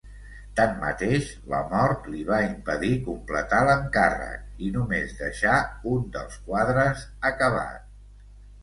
Tanmateix, la mort li va impedir completar l'encàrrec, i només deixà un dels quadres acabat.